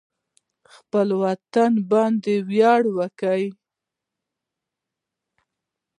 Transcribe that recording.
خپل وطن باندې ویاړ وکړئ